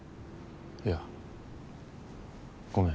いやごめん。